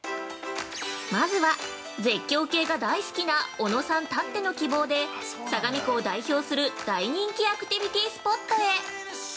◆まずは、絶叫系が大好きなおのさんたっての希望で相模湖を代表する大人気アクティビティスポットへ。